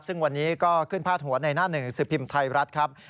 ซึ่งวันนี้ก็ขึ้นพาดหัวในหน้าหนึ่งสิบพิมพ์ไทยรัฐครับ